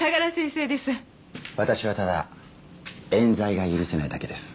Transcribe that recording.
私はただ冤罪が許せないだけです。